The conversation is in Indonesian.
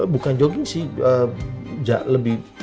bukan jogging sih